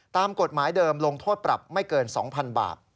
ตามกฎหมายเดิมลงโทษปรับไม่เกิน๒๐๐๐บาท